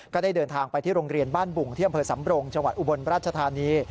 ก็ได้เดินทางไปที่โรงเรียนบ้านบุงที่อำเภอสำรงจังหวัดอุบลราชธานี